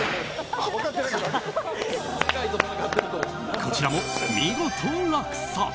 こちらも見事、落札。